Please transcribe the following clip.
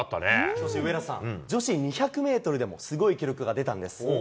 そして上田さん、女子２００メートルでもすごい記録が出たんです。